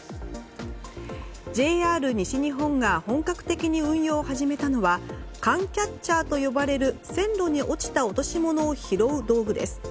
ＪＲ西日本が本格的に運用を始めたのは缶キャッチャーと呼ばれる線路に落ちた落とし物を拾う道具です。